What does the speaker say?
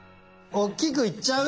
おっきくいっちゃおうよ